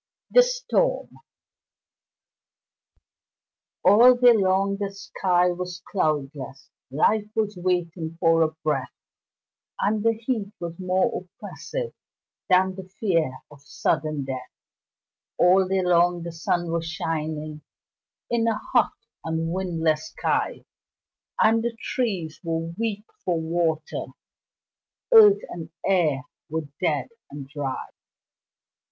The Storm All day long the sky was cloudless, Life was waiting for a breath, And the heat was more oppressive Than the fear of sudden death; All day long the sun was shining In a hot and windless sky, And the trees were weak for water Earth and air were dead and dry.